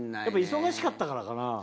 やっぱ忙しかったからかな？